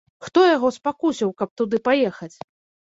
Хто яго спакусіў, каб туды паехаць?